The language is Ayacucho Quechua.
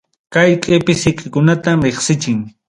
Kay qipi siqikunatam riqsinchik.